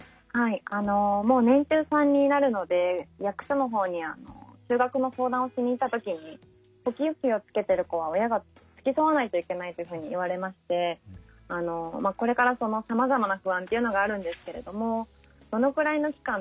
もう年中さんになるので役所の方に就学の相談をしに行った時に呼吸器をつけてる子は親が付き添わないといけないというふうに言われましてこれからさまざまな不安というのがあるんですけれどもどのぐらいの期間